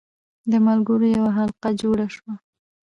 د ملګرو یوه حلقه جوړه شوه.